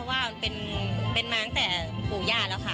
ที่คนวิสัยนะคะ